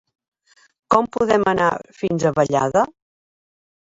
Com podem anar fins a Vallada?